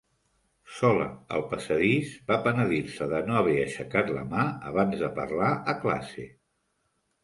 Sola al passadís, va penedir-se de no haver aixecat la mà abans de parlar a classe.